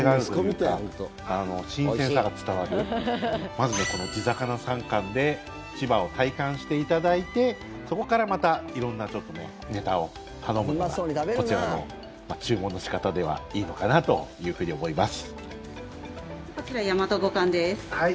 まず、この地魚三貫で千葉を体感していただいてそこからまた色んなネタを頼むのがこちらの注文の仕方ではいいのかなと思います。